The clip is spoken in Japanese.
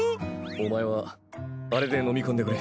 お前はあれで飲み込んでくれ。